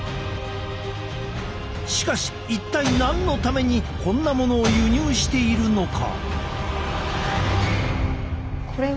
しかし一体何のためにこんなものを輸入しているのか？